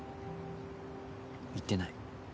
言ってない。